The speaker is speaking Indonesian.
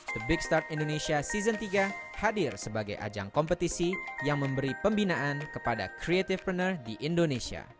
the big start indonesia season tiga hadir sebagai ajang kompetisi yang memberi pembinaan kepada creative pruner di indonesia